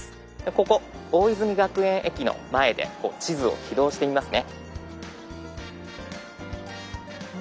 ここ大泉学園駅の前で地図を起動してみますね。